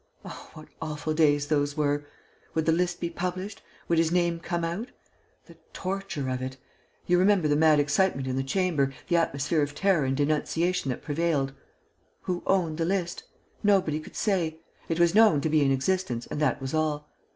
Oh, what awful days those were! Would the list be published? Would his name come out? The torture of it! You remember the mad excitement in the Chamber, the atmosphere of terror and denunciation that prevailed. Who owned the list? Nobody could say. It was known to be in existence and that was all.